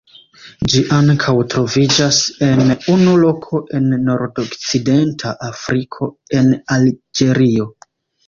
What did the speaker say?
Ĝi ankaŭ troviĝas en unu loko en nordokcidenta Afriko en Alĝerio.